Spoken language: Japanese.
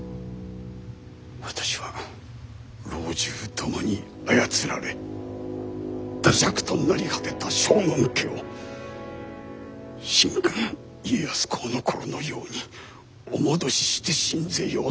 私は老中どもに操られ惰弱と成り果てた将軍家を神君家康公の頃のようにお戻ししてしんぜようと忠義ゆえ！